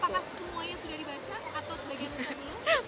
apakah semuanya sudah dibaca atau sebagiannya sudah belum